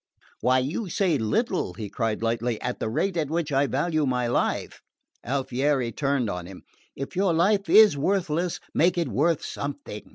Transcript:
"Why, you say little," he cried lightly, "at the rate at which I value my life." Alfieri turned on him. "If your life is worthless; make it worth something!"